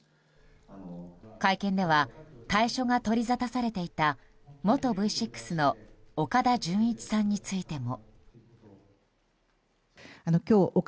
会見では退所が取りざたされていた元Ｖ６の岡田准一さんについても。